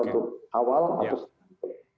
untuk awal atau selanjutnya